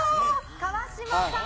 川島さん。